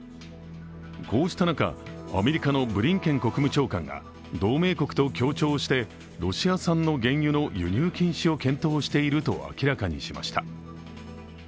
こうした中、アメリカのブリンケン国務長官が同盟国と協調してロシア産の原油の輸入禁止を検討していると明らかにしました。